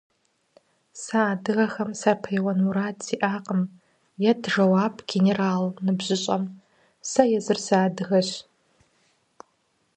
Сэ адыгэхэм сапеуэн мурад сиӀакъым, – ет жэуап генерал ныбжьыщӀэм. – Сэ езыр сыадыгэщ.